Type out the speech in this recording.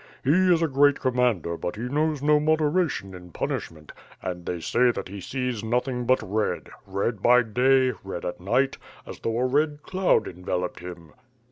He is a great commander but he knows no modera tion in punishment, and they say that he sees nothing but red; red by day, red at night, as though a red cloud enveloped him."